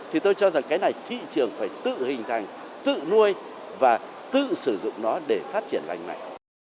thì tôi cho rằng cái này thị trường phải tự hình thành tựu nuôi và tự sử dụng nó để phát triển lành mạnh